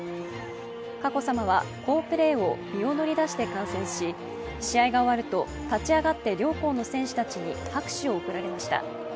佳子さまは好プレーを身を乗り出して観戦し試合が終わると立ち上がって両校の選手たちに拍手を送られました。